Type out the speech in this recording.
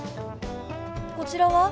こちらは？